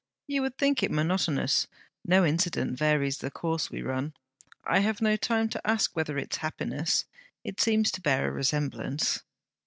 You would think it monotonous; no incident varies the course we run. I have no time to ask whether it is happiness. It seems to bear a resemblance.'